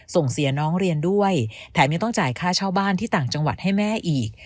ส่งเสียน้องเรียนด้วยแถมยังต้องจ่ายค่าเช่าบ้านที่ต่างจังหวัดให้แม่อีก